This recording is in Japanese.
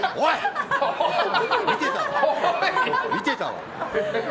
見てたわ！